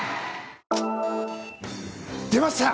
出ました！